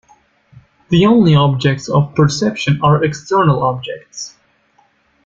The only objects of perception are external objects.